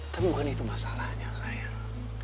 tapi bukan itu masalahnya sayang